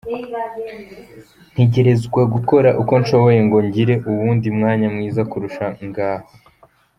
Ntegerezwa gukora uko nshoboye ngo ngire uwundi mwanya mwiza kurusha ngaho.